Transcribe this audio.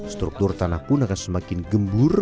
struktur tanah pun akan semakin gembur